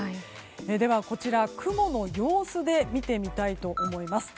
では、こちら雲の様子で見てみたいと思います。